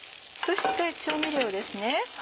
そして調味料です。